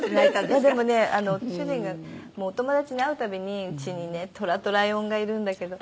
でもね主人がもうお友達に会うたびに「うちにねトラとライオンがいるんだけど」